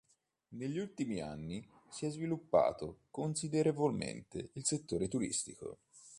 Negli ultimi anni si è sviluppato considerevolmente il settore turistico.